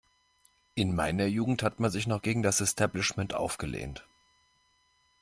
In meiner Jugend hat man sich noch gegen das Establishment aufgelehnt.